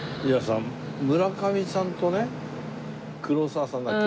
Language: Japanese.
村上さんとね黒沢さんだっけ？